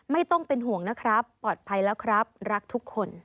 ไม่ต้องเป็นห่วงนะครับปลอดภัยแล้วครับรักทุกคน